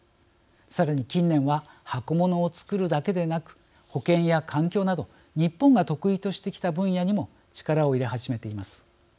さらに近年は箱物を作るだけでなく保健や環境など日本が得意としてきた分野にも力を入れ始めています。